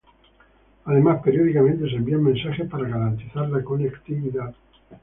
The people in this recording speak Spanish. Además periódicamente se envían mensajes para garantizar la conectividad.